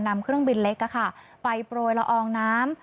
นำเครื่องบินเล็กไปโปรยละอองน้ำ